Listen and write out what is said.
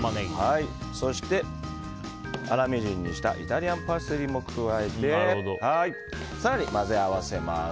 そして、粗みじんにしたイタリアンパセリも加えて更に混ぜ合わせます。